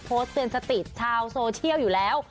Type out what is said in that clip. เตือนสติชาวโซเชียลอยู่แล้ว